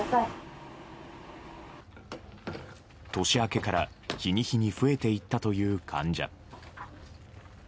年明けから日に日に増えていったという患者。